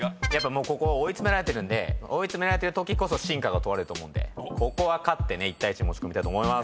ここは追い詰められてるんで追い詰められてるときこそ真価が問われると思うんで勝って１対１に持ち込みたいと思います。